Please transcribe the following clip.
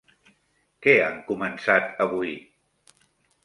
Què han començat avui?